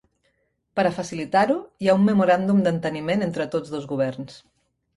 Per a facilitar-ho, hi ha un memoràndum d'enteniment entre tots dos governs.